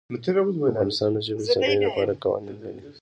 افغانستان د ژبې د ساتنې لپاره قوانین لري.